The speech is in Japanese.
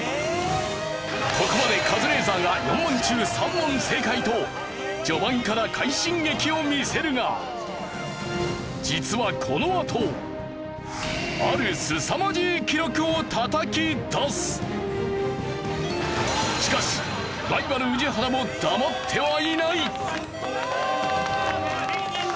ここまでカズレーザーが４問中３問正解と序盤から快進撃を見せるが実はこのあとあるしかしライバル宇治原も黙ってはいない！